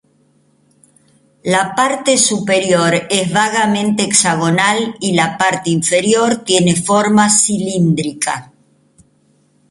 La parte superior es vagamente hexagonal y la parte inferior tiene forma cilíndrica.